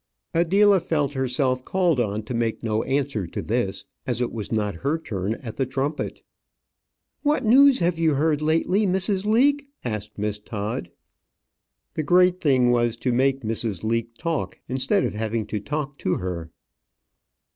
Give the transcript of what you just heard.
Adela felt herself called on to make no answer to this, as it was not her turn at the trumpet. "What news have you heard lately, Mrs. Leake?" asked Miss Todd. The great thing was to make Mrs. Leake talk instead of having to talk to her.